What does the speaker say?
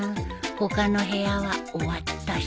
他の部屋は終わったし